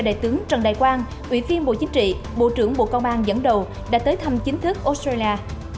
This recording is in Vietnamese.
đại tướng trần đại quang ủy viên bộ chính trị bộ trưởng bộ công an dẫn đầu đã tới thăm chính thức australia